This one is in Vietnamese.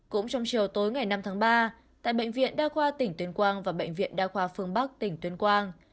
cũng trong chiều tối ngày năm tháng ba tại bệnh viện đa khoa tỉnh tuyên quang và bệnh viện đa khoa phương bắc tỉnh tuyên quang